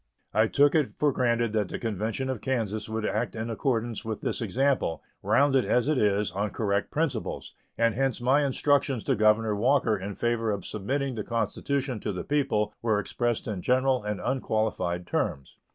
I took it for granted that the convention of Kansas would act in accordance with this example, rounded, as it is, on correct principles, and hence my instructions to Governor Walker in favor of submitting the constitution to the people were expressed in general and unqualified terms.